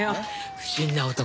不審な男。